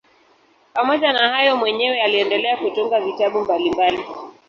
Pamoja na hayo mwenyewe aliendelea kutunga vitabu mbalimbali.